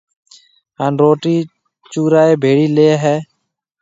ھان روٽِي چورائيَ ڀيڙي ليَ ھيََََ